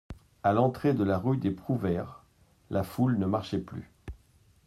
À l'entrée de la rue des Prouvaires, la foule ne marchait plus.